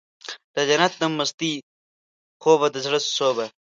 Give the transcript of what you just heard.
دجنت د مستۍ خوبه د زړه سوبه